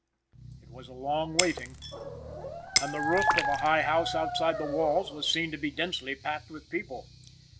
It was a long waiting, and the roof of a high house outside the walls was seen to be densely packed with people.